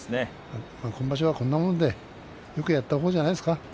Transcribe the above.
今場所はこんなものでよくやったほうじゃないですか。